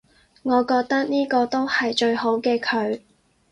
我覺得呢個都係最好嘅佢